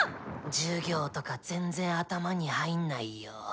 授業とか全然頭に入んないよ。